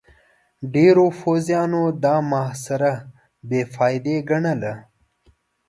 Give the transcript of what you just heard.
ډېرو پوځيانو دا محاصره بې فايدې ګڼله.